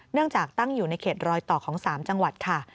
จากตั้งอยู่ในเขตรอยต่อของ๓จังหวัดค่ะ